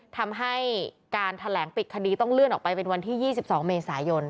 ทำให้การแถลงปิดคดีต้องเลื่อนออกไปเป็นวันที่๒๒เมษายน